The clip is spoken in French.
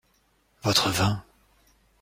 Votre vin.